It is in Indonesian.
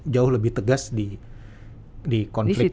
jauh lebih tegas di